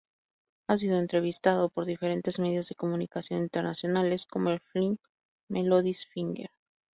Ha sido entrevistado por diferentes medios de comunicación internacionales como el 'Flying Melodies Finger.